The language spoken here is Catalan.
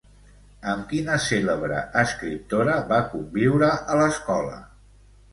Amb quina cèlebre escriptora va conviure a l'escola?